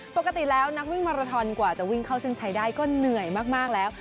ปกติแล้วนักวิ่งมาราทอนกว่าจะวิ่งเข้าเส้นชัยได้ก็เหนื่อยมากแล้ว